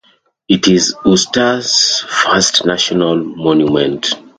It is Utah's first National Monument.